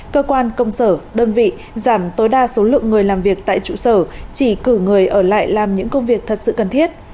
cơ quan công sở đơn vị giảm tối đa số lượng người làm việc tại trụ sở chỉ cử người ở lại làm những công việc thật sự cần thiết